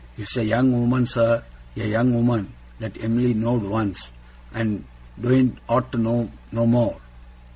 'It's a young woman, sir a young woman, that Em'ly knowed once, and doen't ought to know no more.